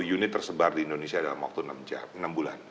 dua puluh unit tersebar di indonesia dalam waktu enam bulan